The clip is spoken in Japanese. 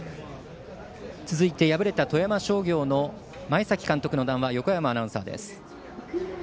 続いて、敗れた富山商業の前崎監督の談話を横山アナウンサーです。